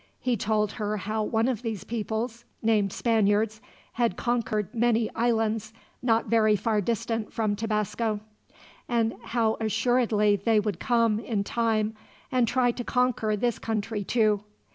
He told her how one of these peoples, named Spaniards, had conquered many islands not very far distant from Tabasco; and how assuredly they would come, in time, and try to conquer this country, too.